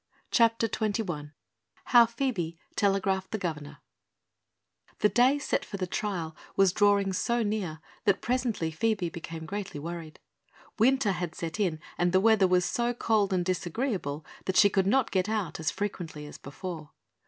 CHAPTER XXI HOW PHOEBE TELEGRAPHED THE GOVERNOR The day set for the trial was drawing so near that presently Phoebe became greatly worried. Winter had suddenly set in and the weather was so cold and disagreeable that she could not get out as frequently as before.